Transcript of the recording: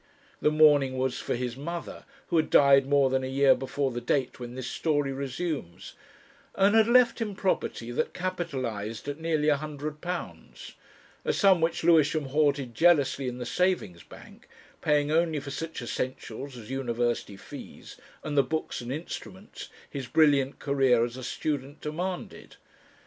The mourning was for his mother, who had died more than a year before the date when this story resumes, and had left him property that capitalized at nearly a hundred pounds, a sum which Lewisham hoarded jealously in the Savings Bank, paying only for such essentials as university fees, and the books and instruments his brilliant career as a student demanded.